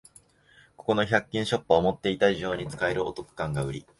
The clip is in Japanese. ここの百均ショップは思ってた以上に使えるお得感がウリ